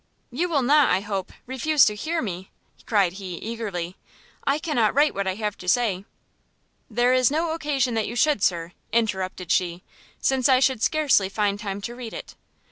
"You will not, I hope, refuse to hear me," cried he, eagerly, "I cannot write what I have to say, " "There is no occasion that you should, Sir," interrupted she, "since I should scarcely find time to read it."